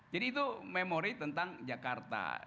jadi itu memori tentang jakarta